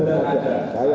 saya tidak ada